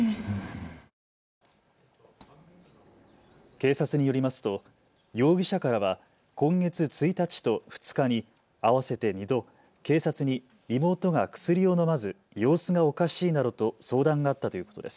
警察によりますと容疑者からは今月１日と２日に合わせて２度、警察に妹が薬を飲まず様子がおかしいなどと相談があったということです。